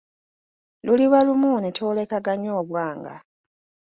Luliba lumu ne twolekaganya obwanga.